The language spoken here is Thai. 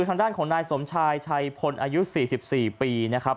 ทางด้านของนายสมชายชัยพลอายุสี่สิบสี่ปีนะครับ